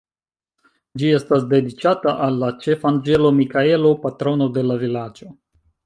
Ĝi estas dediĉata al la Ĉefanĝelo Mikaelo, patrono de la vilaĝo.